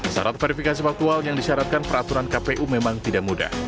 syarat verifikasi faktual yang disyaratkan peraturan kpu memang tidak mudah